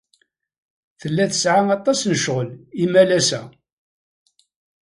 Tella tesɛa aṭas n ccɣel imalas-a.